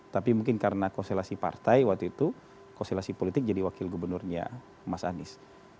tapi mungkin karena konstelasi partai waktu itu konstelasi politik jadi wakil gubernurnya mas anies